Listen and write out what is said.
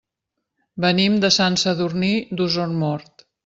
Venim de Sant Sadurní d'Osormort.